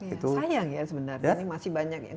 sayang ya sebenarnya